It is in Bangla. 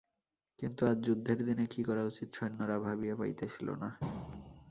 কিন্তু আজ যুদ্ধের দিনে কী করা উচিত সৈন্যেরা ভাবিয়া পাইতেছিল না।